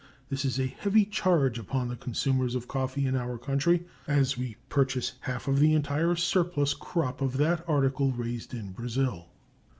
This is a heavy charge upon the consumers of coffee in our country, as we purchase half of the entire surplus crop of that article raised in Brazil.